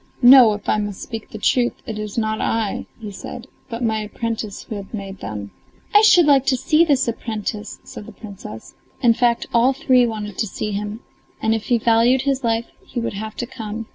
"No, if I must speak the truth, it is not I," he said, "but my apprentice, who has made them." "I should like to see that apprentice," said the Princess. In fact all three wanted to see him, and if he valued his life, he would have to come.